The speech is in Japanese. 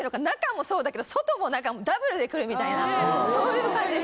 中もそうだけど外も中もダブルで来るみたいなそういう感じです。